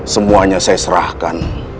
semuanya saya serahkan